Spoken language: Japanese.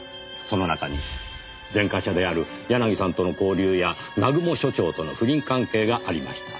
その中に前科者である柳さんとの交流や南雲所長との不倫関係がありました。